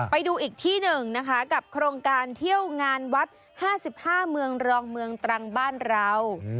ไปดูอีกที่หนึ่งนะคะกับโครงการเที่ยวงานวัด๕๕เมืองรองเมืองตรังบ้านเรา